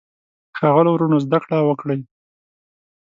ښاغلو وروڼو زده کړه وکړئ.